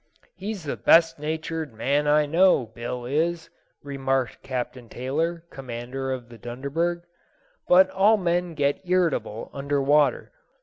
"He's the best natured man I know, Bill is," remarked Captain Taylor, commander of the Dunderberg; "but all men get irritable under water.